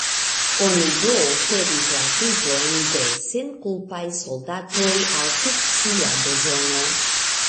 Oni do oferis la vivojn de senkulpaj soldatoj al fikcia bezono.